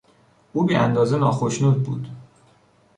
او بی اندازه ناخشنود بود.